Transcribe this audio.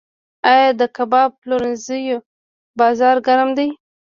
آیا د کباب پلورنځیو بازار ګرم دی؟